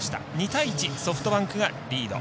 ２対１、ソフトバンクがリード。